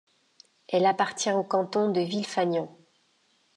Elle appartient au canton de Villefagnan.